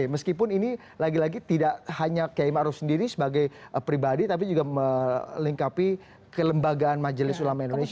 meskipun ini lagi lagi tidak hanya kiam arief sendiri sebagai pribadi tapi juga melengkapi kelembagaan majelis ulama indonesia